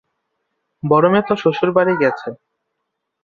বড়ো মেয়ে তো শ্বশুরবাড়ি গেছে।